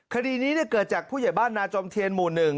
คดีนี้เกิดจากผู้ใหญ่บ้านนาจอมเทียนหมู่๑